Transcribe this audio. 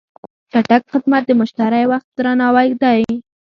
چټک خدمت د مشتری وخت درناوی دی.